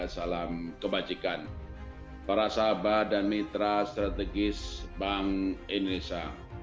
salam kebajikan para sabah dan mitra strategis bank indonesia